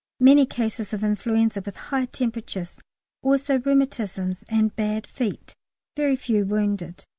Many cases of influenza with high temperatures, also rheumatisms and bad feet, very few wounded.